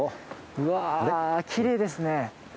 うわ、きれいですね。